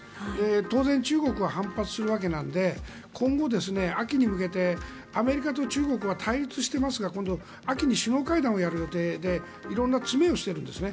当然、中国は反発するわけなので今後、秋に向けてアメリカと中国は対立していますが今度秋に首脳会談をやる予定で色んな詰めをしてるんですね。